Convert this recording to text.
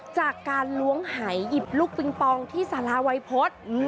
จากการล้วงหายอิบลูกปิงปองที่สาราไวฟฟศอืม